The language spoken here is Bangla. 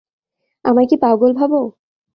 আমায় কি পাগল ভাবো?